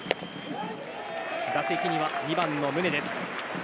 打席には２番の宗です。